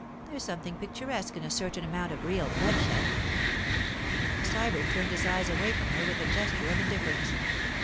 There's something picturesque in a certain amount of real bloodshed.' Sybert turned his eyes away from her with a gesture of indifference.